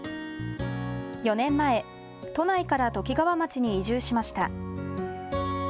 ４年前、都内からときがわ町に移住しました。